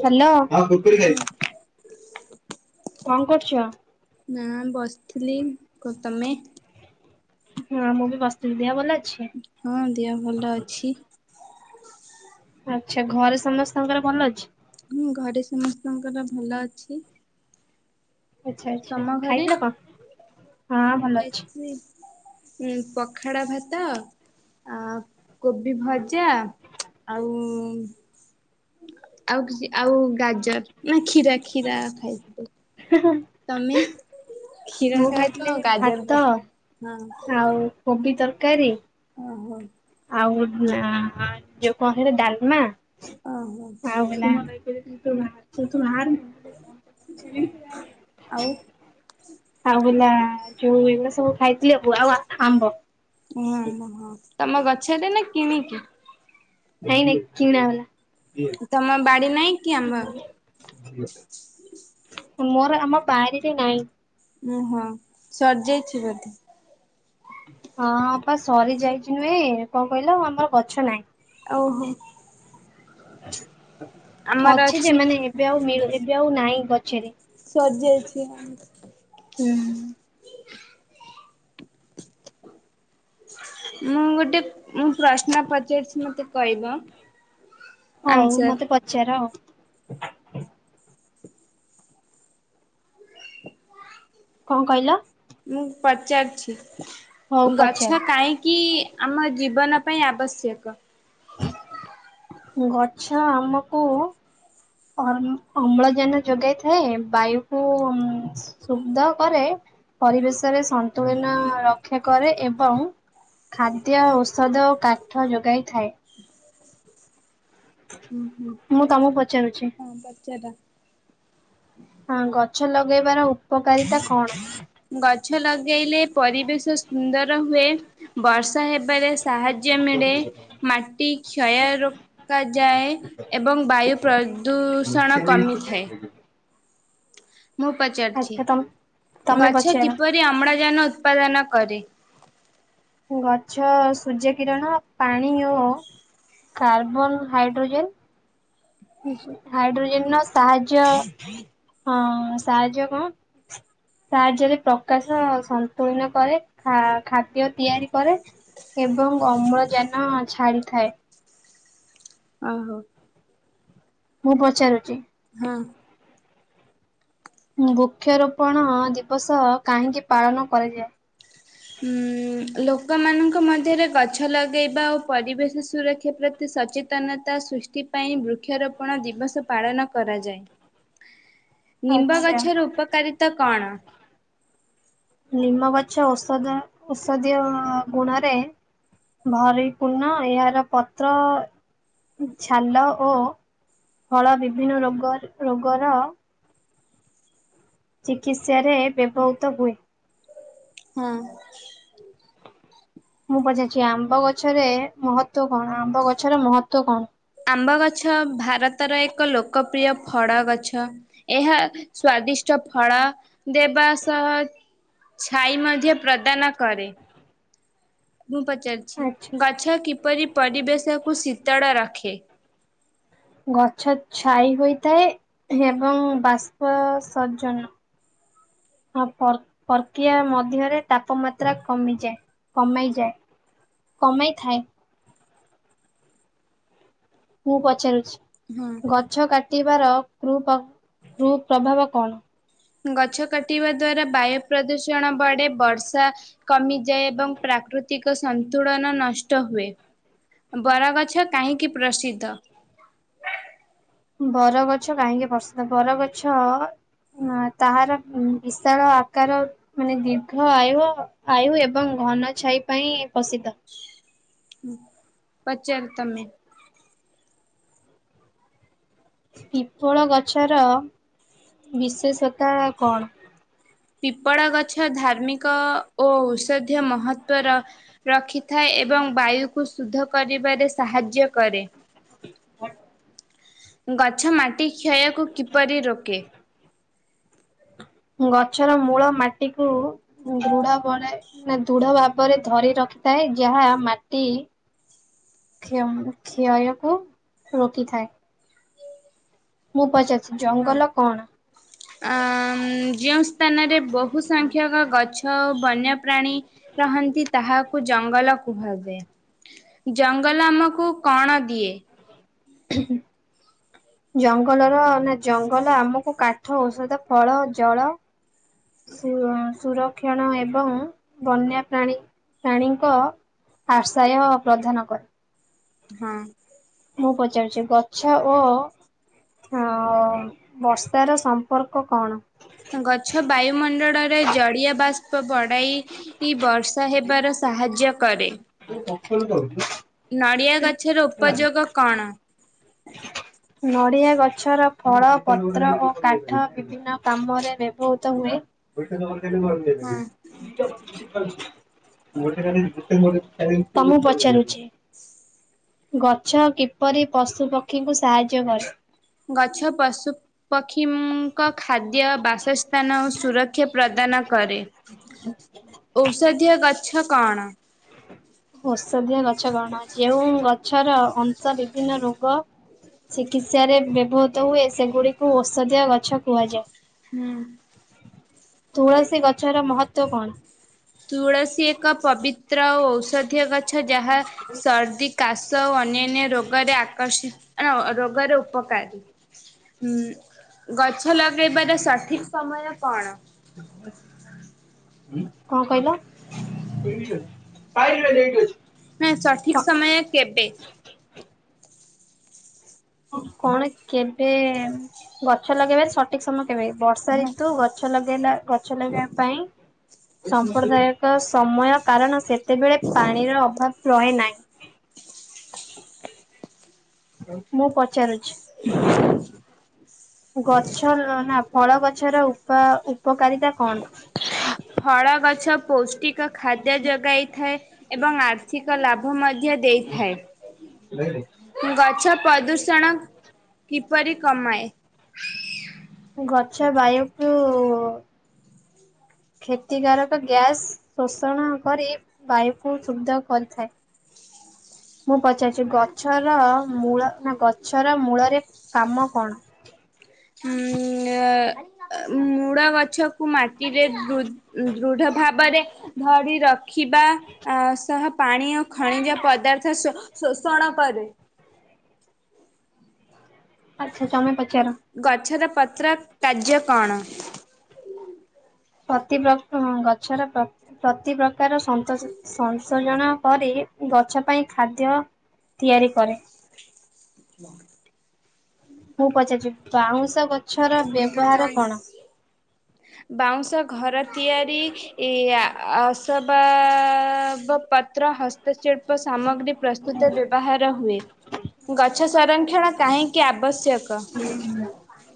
Hello କଣ ହଁ। କରୁଛ? ନା ବସିଥିଲି, ଆଉ ତମେ? ହଁ ମୁଁ ବି ବସ ଥିଲି, ଦିହ ଭଲ ଅଛି? ହଁ ଦିହ ଭଲ ଅଛି। ଆଚ୍ଛା ଘରେ ସମସ୍ତଙ୍କର ଭଲ ଅଛି? ହଁ ଘରେ ସମସ୍ତଙ୍କର ଭଲ ଅଛି। ଆଚ୍ଛା ଆଚ୍ଛା ତମ ଖାଇଥିଲ କଣ? ହଁ ଭଲ ଅଛି। ଖାଇଥିଲି ପଖାଳ ଭାତ ଆ କୋବି ଭଜା, ଆଉ ଆଉ କିଛି ଆଉ ଗାଜର ନା କ୍ଷୀରା କ୍ଷୀରା ଖାଇଥିଲି। ହଁ ହଁ। ତମେ? କ୍ଷୀର ମୁଁ ସହିତ ଖାଇଥିଲି ଗାଜର ଭାତ କଷା। ହଁ ଆଉ କୋବି ତରକାରୀ। ଓହୋ। ଆଉ ଯୋଉ କଣ ହେଲା ଡାଲମା। ଓହୋ ଆଉ ହେଲା ସେ ତୁ ବାହାର ଆଉ? ଆଉ ହେଲା ଯୋଉ ଏଇଗୁଡା ସବୁ ଖାଇଥିଲି ଆବୁ ଆଉ ଆମ୍ବ। ଓ ତମ ଗଛରେ ନା କିଣିକି? ନାଇଁ ନାଇଁ କିଣା ତମ ବାଡି ନାହିଁ କି ଆମ୍ବ? ବାଲା। ମୋର ଆମ ବାରିରେ ନାହିଁ। ଓହଁ ସରିଯାଇଛି ବୋଧେ? ହଁ ପା ସରି ଯାଇଛି ନୁହେଁ, କଣ କହିଲ ଆମର ଗଛ ନାହିଁ। ଓହୋ। ଅଛି ଯେ ମାନେ ଏବେ ଆଉ ମିଳୁ ଏବେ ଆଉ ନାହିଁ ଗଛରେ। ସରିଯାଇଛି। ହୁଁ। ମୁଁ ଗୋଟେ ମୁଁ ପ୍ରଶ୍ନ ପଚାରିଛି ମତେ କହିବ। ହଉ ଆନ୍ସର ମତେ ପଚାର ଆଉ। କଣ କହିଲ? ମୁଁ ପଚାରଛି ହଉ ପଚାର ଗଛ କାଇଁକି ଆମ ଜୀବନ ପାଇଁ ଆବଶ୍ୟକ। ଗଛ ଆମକୁ ଅମ୍ଳଜାନ ଯୋଗାଇଥାଏ ବାୟୁକୁ ଶୁଦ୍ଧ କରେ ପରିବେଶରେ ସନ୍ତୁଳିନ ରକ୍ଷା କରେ ଏବଂ ଖାଦ୍ୟ ଔଷଧ ଓ କାଠ ଯୋଗାଇ ଥାଏ। ହୁଁ ହୁଁ ମୁଁ ତମକୁ ପଚାରୁଛି। ହଁ ପଚାର। ହଁ ଗଛ ଲଗେଇବାର ଉପକାରିତା କଣ? ଗଛ ଲଗେଇଲେ ପରିବେଶ ସୁନ୍ଦର ହୁଏ, ବର୍ଷା ହେବାରେ ସାହାଯ୍ୟ ମିଳେ ମାଟି କ୍ଷୟରୁ ରୋକାଯାଏ ଏବଂ ବାୟୁ ପ୍ରଦୂଷଣ କମିଥାଏ। ମୁଁ ପଚାରୁିଛି ଆଚ୍ଛା ତମ ତମେ ଗଛ ପଚାର କିପରି ଅମ୍ଳଜାନ ଉତ୍ପାଦନ କରେ? ଗଛ ସୂର୍ଯ୍ୟ କିରଣ ପାଣି ଓ କାର୍ବନ ହାଇଡ୍ରୋଜେନ୍ ହାଇଡ୍ରୋଜେନ୍ ର ସାହାଯ୍ୟ ହଁ ସାହାଯ୍ୟ କଣ? ସାହାଯ୍ୟରେ ପ୍ରକାଶ ସନ୍ତୁଳିନ କରେ। ଖା ଖାଦ୍ୟ ତିଆରି କରେ ଏବଂ ଅମ୍ଳଜାନ ଛାଡିଥାଏ। ଓହୋ। ମୁଁ ପଚାରୁଚି। ହଁ। ବୃକ୍ଷରୋପଣ ଦିବସ କାହିଁକି ପାଳନ କରାଯାଏ? ଉଁ ଲୋକମାନଙ୍କ ମଧ୍ୟରେ ଗଛ ଲଗେଇବା ଓ ପରିବେଶ ସୁରକ୍ଷା ପ୍ରତି ସଚେତନତା ସୃଷ୍ଟି ପାଇଁ ବୃକ୍ଷରୋପଣ ଦିବସ ପାଳନ କରାଯାଏ। [inaudible] ନିମ୍ବ ଗଛର ଉପକାରିତା କଣ? ଲିମ ଗଛ ଓସଦ ଓଷଦିୟ ଗୁଣରେ ଭରି ପୂର୍ଣ ଏହାର ପତ୍ର ଛାଲ ଓ ଫଳ ବିଭିନ୍ନ ରୋଗ ରୋଗର ଚିକିତ୍ସାରେ ବ୍ୟବହୃତ ହୁଏ। ହଁ। ମୁଁ ପଚାରୁିଛି ଆମ୍ବ ଗଛରେ ମହତ୍ୱ କଣ ଆମ୍ବ ଗଛର ମହତ୍ୱ କଣ? ଆମ୍ବ ଗଛ ଭାରତର ଏକ ଲୋକପ୍ରିୟ ଫଡ ଗଛ। ଏହା ସ୍ଵାଦିଷ୍ଟ ଫଳ ଦେବା ସହ ଛାଇ ମଧ୍ୟ ପ୍ରଦାନ କରେ। ମୁଁ ପଚାରିଛି ଆଚ୍ଛା ଗଛ କିପରି ପରିବେଶକୁୁ ଶୀତଡ ରଖେ? ଗଛ ଛାଇ ହୋଇଥାଏ ଏବଂ ବାଷ୍ପ ସଜ୍ଜନ। ହଁ ପର୍କିଆ ମଧ୍ୟରେ ତାପମାତ୍ରା କମିଯାଏ। କମେଇଯାଏ କମେଇଥାଏ। ମୁଁ ପଚାରୁଛି ହୁଁ ଗଛ କାଟିବାର କୃ ପ କୄ ପ୍ରଭାବ କଣ? ଗଛ କାଟିବା ଦ୍ଵାରା ବାୟୁ ପ୍ରଦୂଷଣ ବଢେ, ବର୍ଷା କମିଯାଏ ଏବଂ ପ୍ରାକୃତିକ ସନ୍ତୁଳନ ନଷ୍ଟ ହୁଏ। ବରଗଛ କାହିଁକି ପ୍ରସିଦ୍ଧ? ବରଗଛ କାହିଁକି ପ୍ରସିଦ୍ଧ, ବରଗଛ ହଁ ତାହାର ବିଶାଳ ଆକାର ମାନେ ଦୀର୍ଘ ଆୟୁ-ଆୟୁ ଏବଂ ଘନ ଛାଇ ପାଇଁ ପ୍ରସିଦ୍ଧ। ପଚାର୍ ତମେ। ପିପଳ ଗଛର ବିଶେଷତା କଣ? ପିପଳ ଗଛ ଧାର୍ମିକ ଓ ଔଷଧୀୟ ମହତ୍ଵର ରଖିଥାଏ ଏବଂ ବାୟୁକୁ ଶୁଦ୍ଧ କରିବାରେ ସାହାଯ୍ୟ କରେ [inaudible] ଗଛ ମାଟି କ୍ଷୟକୁ କିପରି ରୋକେ ଗଛର ମୂଳ ମାଟିକୁୁ ଦୃଢ ବଢ଼ାଏ ଦୃଢ଼ ଭାବରେ ଧରି ରଖିଥାଏ ଯାହା ମାଟି କ୍ଷ-କ୍ଷୟକୁ ରୋକିଥାଏ। ମୁଁ ପଚାରୁଚି ହଁ ଜଙ୍ଗଲ କଣ? ଯେଉଁ ସ୍ଥାନରେ ବହୁ ସଂଖ୍ୟକ ଗଛ ବନ୍ୟପ୍ରାଣୀ ରହନ୍ତି ତାହାକୁ ଜଙ୍ଗଲ କୁହାଯାଏ। ଜଙ୍ଗଲ ଆମକୁ କଣ ଦିଏ? ହୁଁ ହୁଁ ଜଙ୍ଗଲର ନା ଜଙ୍ଗଲ ଆମକୁ କାଠ ଔଷଧ ଫଳ ଜଳ ସୁର-ସୁରକ୍ଷଣ ଏବଂ ବନ୍ୟା ପ୍ରାଣୀ ପ୍ରାଣୀଙ୍କ ଆର୍ଶ୍ୟାୟ ପ୍ରଦାନ କରେ। ହଁ। ମୁଁ ପଚାରୁଛି ଗଛ ଓ ହଁଓ ବର୍ଷାର ସମ୍ପର୍କ କଣ? ଗଛ ବାୟୁମଣ୍ଡଡ଼ରେ ଜଳିଅ ବାଷ୍ପ ବଡ଼ାଇ ଇ ବର୍ଷ ର୍ଷା ହେବାର ସାହାଯ୍ୟ କରେ। କାଖେଇ କି ଯାଉଛୁ ନା ନଡ଼ିଆ ଗଛର ଉପଯୋଗ କଅଣ? ନଡ଼ିଆ ଗଛର ଫଳ ପତ୍ର ଓ କାଠ ବିଭିନ୍ନ ବିଭିନ୍ନ କାମରେ ବ୍ୟବହୃତ ହୁଏ ହଁ [unintelligible] [inaudible] ତମକୁ ପଚାରୁଛି ଗଛ କିପରି ପଶୁ ପକ୍ଷୀଙ୍କୁ ସାହାଯ୍ୟ କରେ? ଗଛ ପଶୁ ପକ୍ଷୀ -ଙ୍କ ଖାଦ୍ୟ ବାସସ୍ଥାନ ଓ ସୁର କ୍ଷ ପ୍ରଦାନ କରେ, ଔଷଧୀୟ ଗଛ କଣ? ଔଷଧୀୟ ଗଛ କଣ ଯେଉଁ ଗଛର ଅଂଶ ବିଭିନ୍ନ ରୋଗ ଚିକିତ୍ସାରେ ବ୍ୟବହୃତ ହୁଏ ସେଗୁଡ଼ିକୁ ଔଷଧୀୟ ଗଛ କୁହାଯାଏ। ହୁଁ ତୁଳସୀ ଗଛର ମହତ୍ତ୍ଵ କଣ? ତୁଳସୀ ଏକ ପବିତ୍ର ଓ ଔଷଧୀୟ ଗଛ ଯାହା ସର୍ଦ୍ଦି କାଶ ସ ଓ ଅନ୍ୟାନ୍ୟ ରୋଗରେ ଆକର୍ଷିଣ ରୋଗରେ ଉପକାରୀ। ହୁଁ ଗଛ ଲଗେଇବାର ସଠିକ୍ ସମୟ କଣ? କଁ କହିଲ? ପାଇଲୁ ନା ସେଇଠି ଅଛି। ନାଇଁ ସଠିକ ସମୟ କେବେ? କଣ କେବେ ଗଛ ଲଗେଇବା ସଠିକ୍ ସମୟ କେବେ ବର୍ଷା ହଁ ରିତୁ ଗଛ ଲଗେଇଲା ଗ ଗଛ ଲଗେଇବା ପାଇଁ ସମ୍ପ୍ରଦାୟକ ସମୟ କାରଣ ସେ ଯେତେବେଳେ ପାଣିର ଅଭାବ ରହେ ନାହିଁ। ମୁଁ ପଚାରୁଛି [inaudible] ଗଛ ଲ ନା ଫଳ ଗଛର ଉପା-ଉପକାରିତା କଣ? ଫଳ ଗଛ ପୌଷ୍ଟିକ ଖାଦ୍ୟ ଯୋଗାଇଥାଏ। ଏବଂ ଆର୍ଥିକ ଲାଭ ମଧ୍ୟ ଦେଇଥାଏ। [unintelligible] ଗଛ ପ୍ରଦୂଷଣ କିପରି କମାଏ? ଗଛ ବାୟୁକୁୁ କ୍ଷତିକାରକ ଗ୍ୟାସ୍ ଶୋଷଣ କରି ବାୟୁକୁୁ ଶୁବ୍ଧ କରିଥାଏ ମୁଁ ପଚାର ଗଛର ମୂଳ ନା ଗଛର ମୂଳରେ କାମ କଣ? ଉଁ ଆ ମୂଡ ଗଛକୁ ମାଟିରେ ଧୃଦ୍ ଦୃଢ ଭାବରେ ଧରି ରଖିବା ସହ ପାଣି ଓ ଖଣିଜ ପଦାର୍ଥ ଶ-ଶୋଷଣ କରେ। ଆଛା ତମେ ପଚାର। ଗଛର ପତ୍ର କାର୍ଯ୍ୟ କଣ୍? ପ୍ରତି ପ୍ର ଗଛର ପ୍ରତି ପ୍ରକାର ସ-ସଂଶୋଜନ କରି ଗଛ ପାଇଁ ଖାଦ୍ୟ ତିଆରି କରେ। ମୁଁ ପଚାରୁଛି ବାଉଁଶ ଗଛର ବ୍ୟବହାର କଣ? ବାଉଁଶ ଘର ତିଆରି ଏ ଆସବାବ ପତ୍ର ହ ଶିଳ୍ପ ସାମଗ୍ରୀ ପ୍ରସ୍ତୁତ ବ୍ୟବ ବାହାର ହୁଏ, ଗଛ ସଂରକ୍ଷଣ କାହିଁକି ଆବଶ୍ୟକ? ହୁଁ ହ [inaudible] ଆଇ।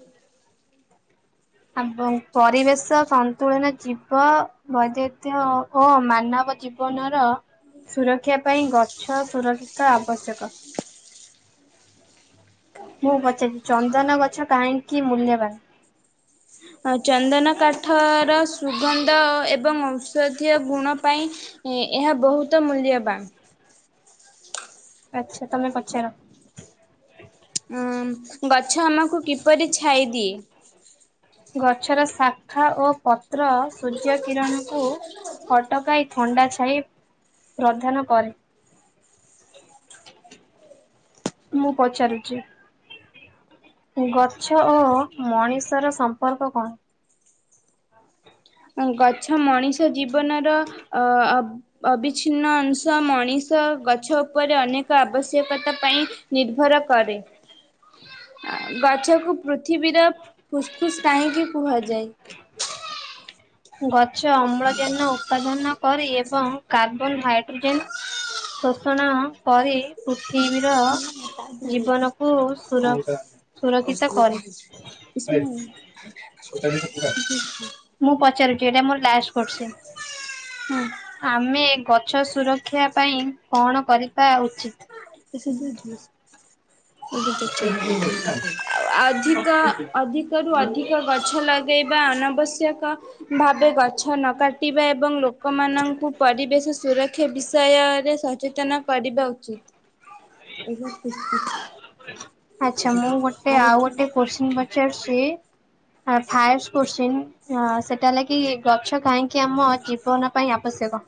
ଏବଂ ପରିବେଶ ସନ୍ତୁଳନ ଜୀବ ବୈଦତ୍ୟ ଓ ମାନବ ଜୀବନର ସୁରକ୍ଷା ପାଇଁ ଗଛ ସୁରକ୍ଷିତ ଆବଶ୍ୟକ। ମୁଁ ପଚାରିବି, ଚନ୍ଦନ ଗଛ କାହିଁକି ମୂଲ୍ୟବାନ? ଚନ୍ଦନ କାଠର ସୁଗନ୍ଧ ଏବଂ ଔଷଧୀୟ ଗୁଣ ପାଇଁ ଏହା ବହୁତ ମୂଲ୍ୟବାନ। ଆଛା ତମେ ପଚାର। ହଁ ଗଛ ଆମକୁ କିପରି ଛାଇଦିଏ? ଗଛର ଶାଖା ଓ ପତ୍ର ସୂର୍ଯ୍ୟ କିରଣକୁ ଅଟକାଇ ଥଣ୍ଡା ଛାଇ ପ୍ରଧାନ କରେ। ମୁଁ ପଚାରୁଚି। ଗଛ ଓ ମଣିଷର ସମ୍ପର୍କ କଣ? ଗଛ ମଣିଷ ଜୀବନର ଅ ଅବିଚ୍ଛିନ୍ନ ଅଂଶ, ମଣିଷ ଗଛ ଉପରେ ଅନେକ ଆବଶ୍ୟକତା ପାଇଁ ନିର୍ଭର କରେ। ଗଛକୁ ପୃଥିବୀର ଫୁସଫୁସ କାହିଁକି କୁହାଯାଏ? ଗଛ ଅମ୍ଳଜାନ ଉତ୍ପାଦାନ କରି ଏବଂ କାର୍ବନ ହାଇଡ୍ରୋଜେନ ଶୋଷଣ କରି ପୃଥିବୀର ଜୀବନକୁୁ ସୁର-ସୁରକ୍ଷିତ କରେ। ମୁଁ ପଚାରୁଛି ଏଇଟା ମୋର ଲାଷ୍ଟ କୋଶ୍ଚିନ୍। ହୁଁ। ଆମେ ଗଛ ସୁରକ୍ଷା ପାଇଁ କଣ କରିବା ଉଚିତ୍? ଆଉ ଅଧିକ ଅଧିକରୁ ଅଧିକ ଗଛ ଲଗାଇବା ଅନାବଶ୍ୟକ। ଭାବ ଗଛ ନ କାଟିବା ଏବଂ ଲୋକମାନଙ୍କୁ ପରିବେଶ ସୁରକ୍ଷା ବିଷୟରେ ସଚେତ ତନ କରିବା ଉଚିତ୍। [inaudible] ଆଛା ମୁଁ ଗୋଟେ ଆଉ ଗୋଟେ କୋଶ୍ଚିନ ପଚାରୁଛି। ହା ଫାୟସ କୋଶ୍ଚିନ୍। ହଁ ସେଟା ହେଲାକି ଗଛ କାହିଁକି ଆମ ଜୀବନ ପାଇଁ ଆବଶ୍ୟକ?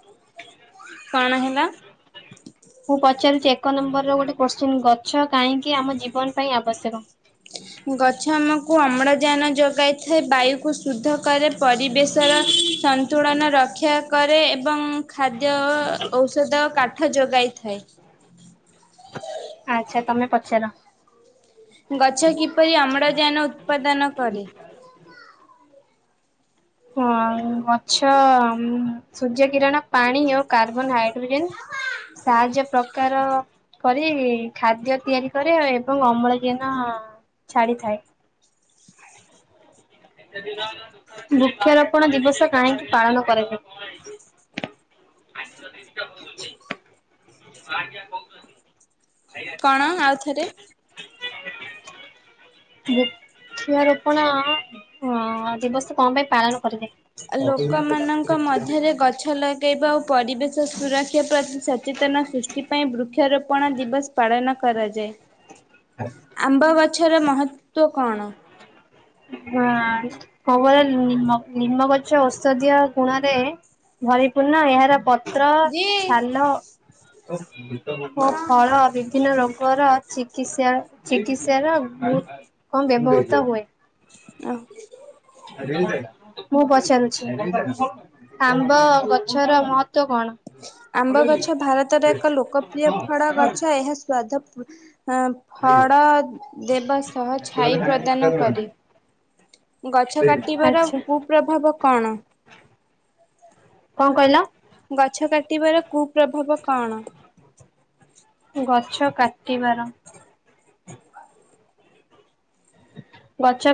କଣ ହେଲା? ମୁଁ ପଚାରୁଚି ଏକ ନମ୍ବର ର ଗୋଟେ କୋଶ୍ଚିନ୍ ଗଛ କାଇଁକି ଆମ ଜୀବନ ପାଇଁ ଆବଶ୍ୟକ। ଗଛ ଆମକୁ ଅମ୍ଳଜାନ ଯୋଗାଇଥାଏ ବାୟୁକୁ ଶୁଦ୍ଧ କରେ। ପରିବେଶର ସନ୍ତୁଳନ ରକ୍ଷା କରେ ଏବଂ ଖାଦ୍ୟ ଔଷଧ କାଟ୍ ଠ ଯୋଗାଇ ଥାଏ। ଆଚ୍ଛା ତମେ ପଚାର। ଗଛ କିପରି ଅମ୍ଳଜାନ ଉତ୍ପାଦନ କରେ? ହଁ ଗଛଅ-ଅ-ଅ ସୂର୍ଯ୍ୟ କିରଣ ପାଣି ଓ କାର୍ବନ ହାଇଡ୍ରୋଜେନ ସାହାଯ୍ୟ ପ୍ରକାର କରି ଖାଦ୍ୟ ତିଆରି କରେ ଏବଂ ଅମ୍ଳଜାନ ଛାଡିଥାଏ। ବୃକ୍ଷରୋପଣ ଦିବସ କାହିଁକି ପାଳନ କରାଯାଏ? ଆଜ୍ଞା କହୁଛନ୍ତି। କଣ ଆଉଥରେ? [unintelligible] ବୃଷ ରୋପଣଅ-ଅ ଅଁ-ଅଁ-ଅଁ ଦିବସ କଣ ପାଇଁ ପାଳନ କରାଯାଏ? ଲୋକମାନଙ୍କ ମଧ୍ୟରେ ଗଛ ଲଗ ପକେଇବା ଓ ପରିବେଶ ସୁରକ୍ଷା ପ୍ରତି ସଚେତନ ସୃଷ୍ଟି ପାଇଁ ବୃକ୍ଷରୋପଣ ଦିବସ ପାଳନ କରାଯାଏ। ହଁ ଆମ୍ବ ଗଛର ମହତ୍ତ୍ଵ କଣ? ହଁଅ-ଅ କଣ କହିଲ ନିମ, ନିମ ଗଛ ଔଷଧିୀୟ ଗୁଣରେ ଭରିପୂର୍ଣ୍ଣ ଏହାର ପତ୍ ପତ୍ର, ଛାଲ ଓ ଫଳ ବିଭିନ୍ନ ରୋଗ୍ ଙ୍କର ଚିକିତ୍ସାର, ଚିକିତ୍ସାର ବହୁତ କମ୍ ବ୍ୟବହୃତ ହୁଏ। ଆଉ ମୁଁ ପଚାରୁଛି, ଆମ୍ବ ଗଛର ମହତ୍ ଆମ୍ବ ଗଛ ଭାରତର ଏକ ଲୋକପ୍ରିୟ ଫଳ ଗଛ ଏହା ସ୍ଵାଦ ପୁ ହଁ ଫଳ ଦେବା ସହ ଛାଇ ପ୍ରଦାନ କରେ। ଗଛ କାଟିବାର ଆଚ୍ଛା କୁପ୍ରଭାବ କଣ? କଣ କହିଲ? ଗଛ କାଟିବାର କୁପ୍ରଭାବ କଣ? ଗଛ କାଟିବାର? ହଁ ଗଛ କା